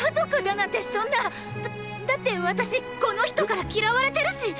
だっだって私この人から嫌われてるしッ！！